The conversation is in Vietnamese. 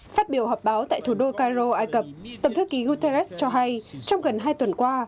phát biểu họp báo tại thủ đô cairo ai cập tổng thư ký guterres cho hay trong gần hai tuần qua